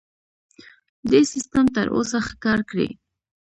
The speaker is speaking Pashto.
دې سیستم تر اوسه ښه کار کړی.